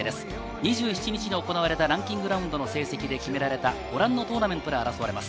２７日に行われたランキングラウンドの成績で決められたご覧のトーナメントで争われます。